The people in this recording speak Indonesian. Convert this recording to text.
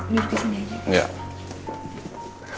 duduk disini aja